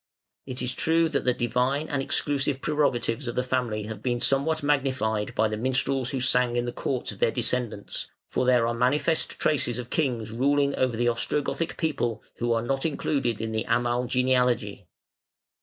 It is true that the divine and exclusive prerogatives of the family have been somewhat magnified by the minstrels who sang in the courts of their descendants, for there are manifest traces of kings ruling over the Ostrogothic people, who are not included in the Amal genealogy.